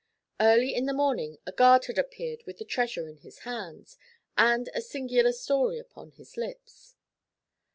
Early in the morning a guard had appeared with the treasure in his hand, and a singular story upon his lips.